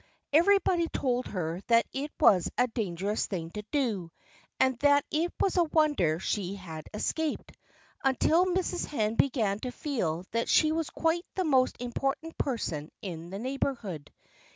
Everybody told her that it was a dangerous thing to do and that it was a wonder she had escaped, until Mrs. Hen began to feel that she was quite the most important person in the neighborhood.